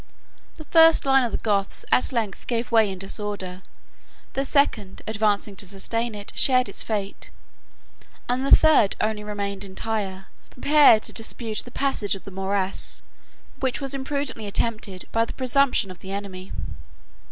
The first line of the Goths at length gave way in disorder; the second, advancing to sustain it, shared its fate; and the third only remained entire, prepared to dispute the passage of the morass, which was imprudently attempted by the presumption of the enemy.